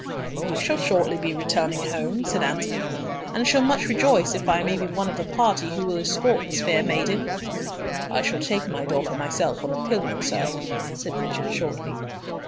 "I shall shortly be returning home," said Antony, "and shall much rejoice if I may be one of the party who will escort this fair maiden." "I shall take my daughter myself on a pillion, sir," said Richard, shortly.